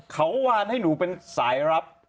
เขาวานให้หนูเป็นสายรับ